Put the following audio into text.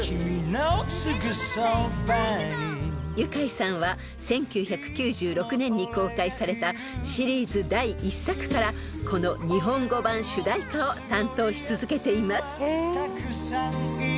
［ユカイさんは１９９６年に公開されたシリーズ第１作からこの日本語版主題歌を担当し続けています］